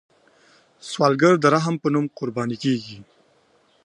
سوالګر د رحم په نوم قرباني کیږي